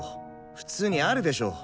普通にあるでしょ。